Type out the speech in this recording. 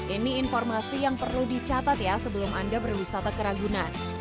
ini informasi yang perlu dicatat ya sebelum anda berwisata ke ragunan